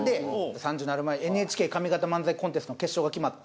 ３０なる前ＮＨＫ上方漫才コンテストの決勝が決まって。